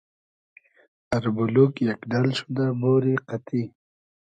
اربولوگ یئگ ۮئل شودۂ بۉری قئتی